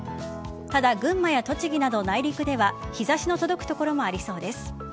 ただ、群馬や栃木など内陸では日差しの届く所もありそうです。